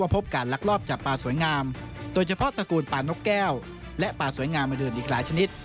พบการลักลอบจับปลาสวยงามโดยเฉพาะตระกูลปลานกแก้วและปลาสวยงามอื่นอีกหลายชนิด